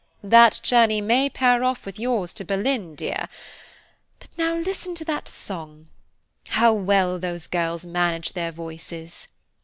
"That journey may pair off with yours to Berlin, dear. But listen now to that song. How well those girls manage their voices."